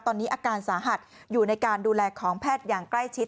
ตอนนี้อาการสาหัสอยู่ในการดูแลของแพทย์อย่างใกล้ชิด